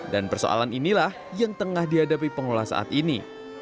dan persoalan inilah yang tengah dihadapi pengelola saat ini